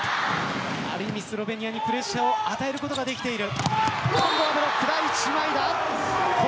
ある意味スロベニアにプレッシャーを与えることができている。